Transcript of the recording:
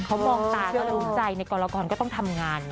เขามองตาก็รู้ใจในกรกรก็ต้องทำงาน